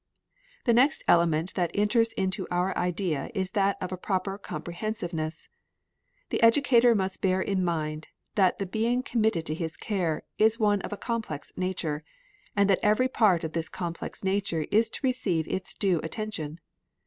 The next element that enters into our idea is that of a proper comprehensiveness. The educator must bear in mind that the being committed to his care is one of a complex nature, and that every part of this complex nature is to receive its due attention.